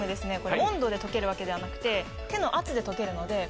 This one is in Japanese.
温度で溶けるわけではなくて手の圧で溶けるので。